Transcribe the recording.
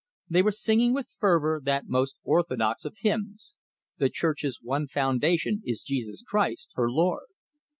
They were singing with fervor that most orthodox of hymns: The church's one foundation Is Jesus Christ, her Lord.